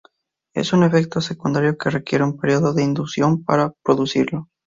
Es un efecto secundario que requiere un período de inducción para producirlo.